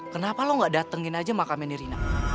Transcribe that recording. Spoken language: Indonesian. kenapa lo gak datengin aja makamnya nirina